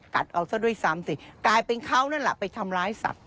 กัดเอาซะด้วยซ้ำสิกลายเป็นเขานั่นแหละไปทำร้ายสัตว